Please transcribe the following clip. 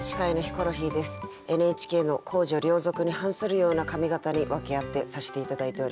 ＮＨＫの公序良俗に反するような髪形に訳あってさせて頂いております。